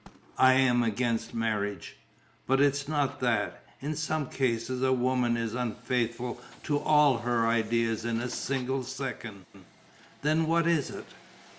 I am against marriage ... but it's not that. In some cases a woman is unfaithful to all her ideas in a single second.... Then what is it?..."